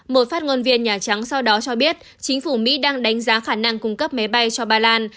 một phát ngôn viên nhà trắng sau đó cho biết chính phủ mỹ đang đánh giá khả năng cung cấp máy bay cho ba lan